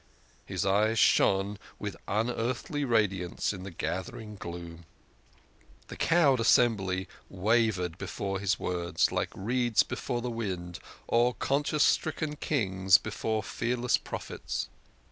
" His eyes shone with unearthly radiance in the gathering gloom. The cowed assembly wavered before his words, like reeds before the wind, or conscience stricken kings before fearless prophets.